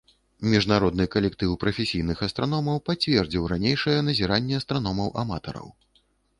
Міжнародны калектыў прафесійных астраномаў пацвердзіў ранейшае назіранне астраномаў-аматараў.